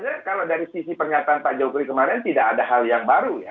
sebenarnya kalau dari sisi pernyataan pak jokowi kemarin tidak ada hal yang baru ya